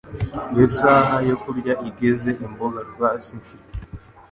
iyo isaha yo kurya igeze. Imboga rwatsi mfite